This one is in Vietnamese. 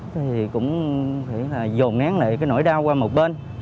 thì cũng dồn nén lại cái nỗi đau qua một bên